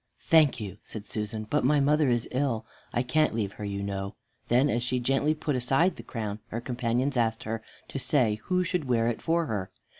"Thank you," said Susan, "but my mother is ill. I can't leave her, you know." Then as she gently put aside the crown, her companions asked her to say who should wear it for her.